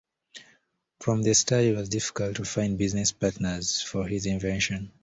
From the start it was difficult to find business partners for his invention.